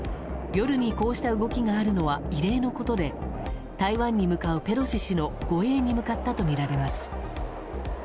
夜にこうした動きがあるのは異例のことで台湾に向かうペロシ氏の護衛に向かったとみられます。